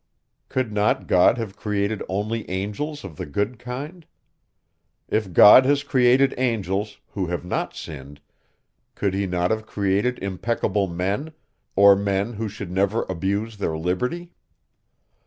Could not God have created only angels of the good kind? If God has created angels, who have not sinned, could he not have created impeccable men, or men who should never abuse their liberty?